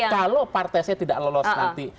kalau partai saya tidak lolos nanti